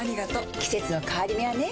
季節の変わり目はねうん。